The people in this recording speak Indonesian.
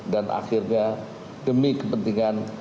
dan akhirnya demi kepentingan